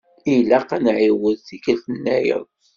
Ilaq ad nɛiwed tikelt-nnayeḍ.